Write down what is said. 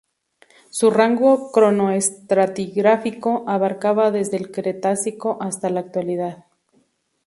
Su rango cronoestratigráfico abarcaba desde el Cretácico hasta la Actualidad.